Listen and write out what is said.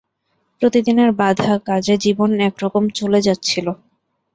প্রতিদিনের বাঁধা কাজে জীবন একরকম চলে যাচ্ছিল।